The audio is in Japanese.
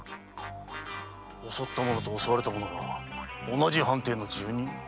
襲った者と襲われた者が同じ藩邸の住人？